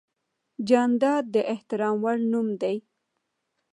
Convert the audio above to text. جانداد د احترام وړ نوم دی.